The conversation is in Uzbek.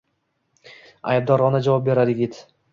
aybdorona javob beradi yigit